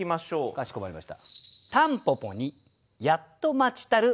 かしこまりました。